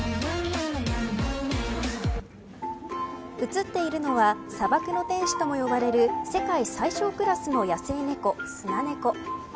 映っているのは砂漠の天使とも呼ばれる世界最小クラスの野生猫スナネコ。